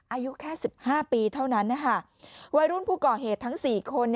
อายุแค่๑๕ปีเท่านั้นนะคะวัยรุ่นผู้ก่อเหตุทั้ง๔คน